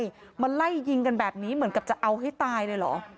กลับไปไห้ก็ไห้ยิงแบบนี้เหมือนกับจะเอาให้ตายเลยเหรอ